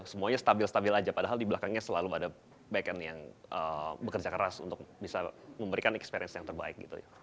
semuanya stabil stabil aja padahal di belakangnya selalu ada backend yang bekerja keras untuk bisa memberikan experience yang terbaik